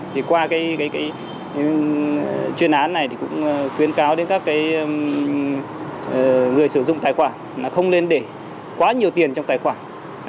thì qua cái chuyên án này thì cũng khuyến cáo đến các cái người sử dụng tài khoản là không nên để quá nhiều tiền trong tài khoản